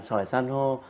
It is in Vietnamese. sỏi san hô sáu cm